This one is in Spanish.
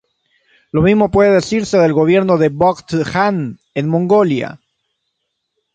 Lo mismo puede decirse del gobierno del Bogd Khan en Mongolia.